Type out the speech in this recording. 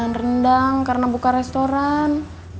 rendang karena buka restoran